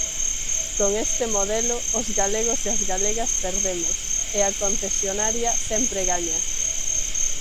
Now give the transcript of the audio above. Con este modelo, os galegos e as galegas perdemos, e a concesionaria sempre gaña.